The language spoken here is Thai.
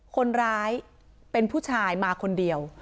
คนร้ายเป็นผู้ชายมาคนเดียว